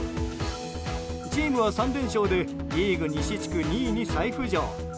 チームは３連勝でリーグ西地区２位に再浮上。